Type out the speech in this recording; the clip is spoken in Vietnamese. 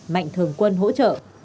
mạnh thường quân hỗ trợ